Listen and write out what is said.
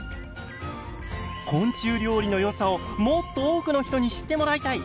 昆虫料理の良さをもっと多くの人に知ってもらいたい。